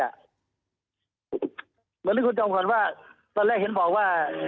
เหมือนที่คุณจอมขวัญว่าตอนแรกเห็นบอกว่า